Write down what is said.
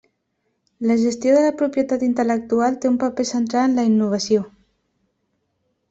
La gestió de la propietat intel·lectual té un paper central en la innovació.